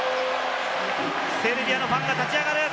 セルビアのファンが立ち上がる。